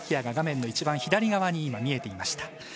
椰が画面左側に見えていました。